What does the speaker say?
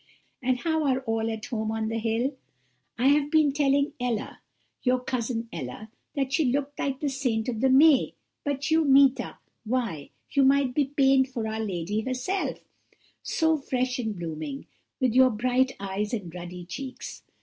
And how are all at home on the hill? I have been telling Ella, your cousin Ella, that she looked like the saint of the May. But you, Meeta, why, you might be painted for our Lady herself so fresh and blooming, with your bright eyes and ruddy cheeks.